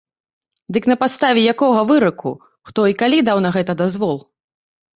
Дык на падставе якога выраку, хто і калі даў на гэта дазвол?